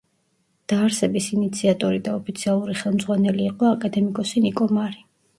დაარსების ინიციატორი და ოფიციალური ხელმძღვანელი იყო აკადემიკოსი ნიკო მარი.